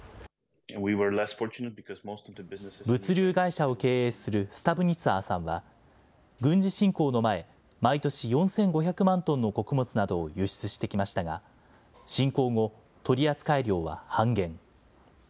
物流会社を経営するスタブニツァーさんは、軍事侵攻の前、毎年４５００万トンの穀物などを輸出してきましたが、侵攻後、取扱量は半減。